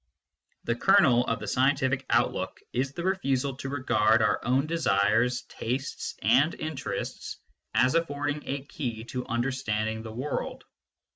The kernel of the scientific outlook is the refusal to regard our own desires, tastes, and interests as affording a key to the understanding of the world.